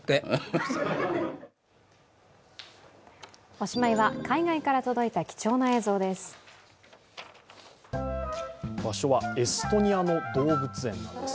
おしまいは、海外から届いた貴重な映像です。